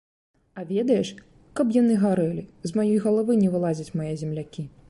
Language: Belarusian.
А ведаеш, каб яны гарэлі, з маёй галавы не вылазяць мае землякі.